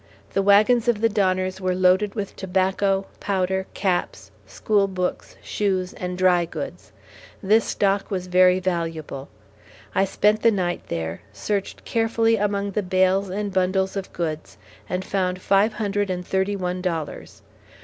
The wagons of the Donners were loaded with tobacco, powder, caps, school books, shoes, and dry goods. This stock was very valuable. I spent the night there, searched carefully among the bales and bundles of goods, and found five hundred and thirty one dollars.